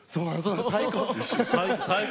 最高！